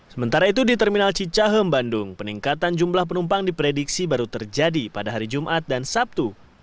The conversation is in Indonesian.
sementara itu di terminal cicahem bandung peningkatan jumlah penumpang diprediksi baru terjadi pada hari jumat dan sabtu